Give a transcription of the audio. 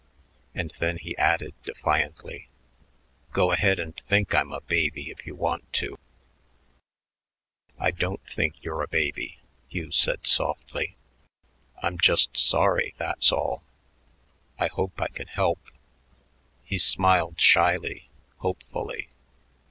And then he added defiantly, "Go ahead and think I'm a baby if you want to." "I don't think you're a baby," Hugh said softly; "I'm just sorry; that's all.... I hope I can help." He smiled shyly, hopefully.